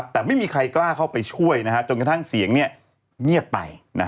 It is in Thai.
แต่ไม่มีใครกล้าเข้าไปช่วยจนกระทั่งเสียงเงียบไป